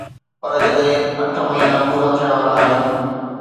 پر جڏهن اٺ مهينا پورا ٿيڻ وارا آهن.